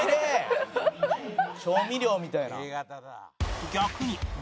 調味料みたいな。